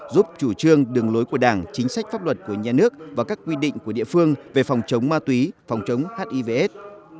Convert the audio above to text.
giúp chủ trương đường lối của đảng chính sách pháp luật của nhà nước và các quy định của địa phương về phòng chống ma túy phòng chống hivs